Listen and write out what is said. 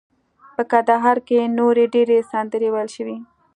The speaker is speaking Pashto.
په کندهار کې نورې ډیرې سندرې ویل شوي.